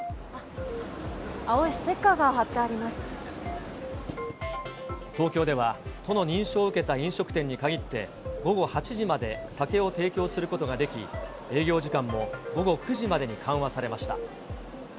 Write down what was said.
青いステッカーが貼ってあり東京では、都の認証を受けた飲食店に限って、午後８時まで酒を提供することができ、営業時間も午後９時までに緩和されました。